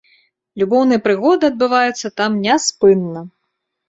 Любоўныя прыгоды адбываюцца там няспынна!